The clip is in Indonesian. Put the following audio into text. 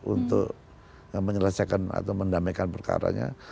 untuk menyelesaikan atau mendamaikan perkaranya